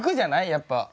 やっぱ。